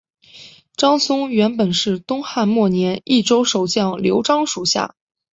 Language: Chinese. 张松原来是东汉末年益州守将刘璋属下。